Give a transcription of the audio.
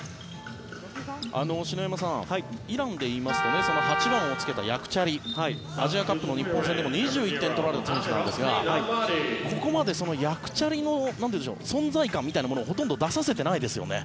篠山さん、イランでいいますと８番をつけたヤクチャリアジアカップの日本戦でも２１点取られた選手なんですがここまでヤクチャリの存在感みたいなものをほとんど出させてないですよね。